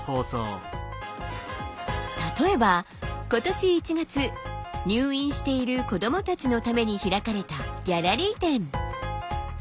例えば今年１月入院している子どもたちのために開かれたギャラリー展。